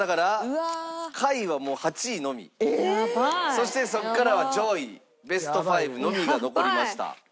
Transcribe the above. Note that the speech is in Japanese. そしてそこからは上位ベスト５のみが残りました。